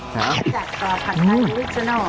จากผัดไทราบอริจินัล